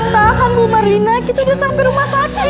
tahan bu merina kita udah sampai rumah sakit